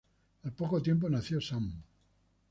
Al poco tiempo nació Sam.